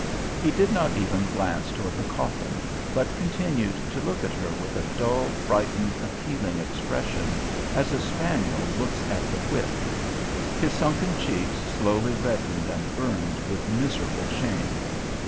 He did not even glance toward the coffin, but continued to look at her with a dull, frightened, appealing expression, as a spaniel looks at the whip. His sunken cheeks slowly reddened and burned with miserable shame.